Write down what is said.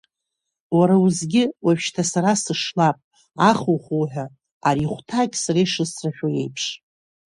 Уара узгьы, уажәшьҭа сара сышлап аху-хуҳәа, ари ихәҭаагь сара ишысрашәо еиԥш…